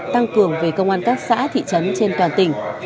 tăng cường về công an các xã thị trấn trên toàn tỉnh